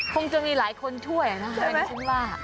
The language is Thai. คงจะมีหลายคนช่วยนะไม่น่าจะถึงว่า